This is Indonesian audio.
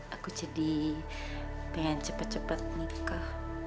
aku jadi pengen cepet cepet nikah